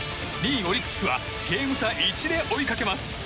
２位、オリックスはゲーム差１で追いかけます。